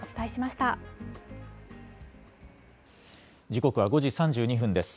時刻は５時３２分です。